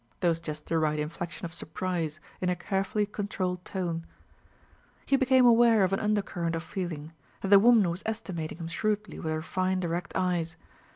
There was just the right inflection of surprise in her carefully controlled tone. He became aware of an undercurrent of feeling; that the woman was estimating him shrewdly with her fine direct eyes.